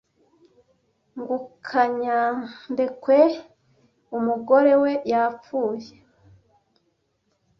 Ng ukanyandekwe umugore we yapfuye.